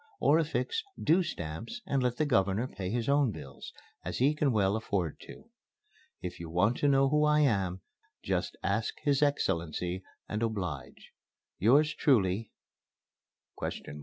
Or affix 'due' stamps, and let the Governor pay his own bills, as he can well afford to. If you want to know who I am, just ask his Excellency, and oblige, Yours truly, ?"